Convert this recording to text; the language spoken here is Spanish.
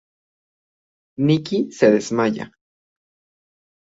Nikki se desmaya.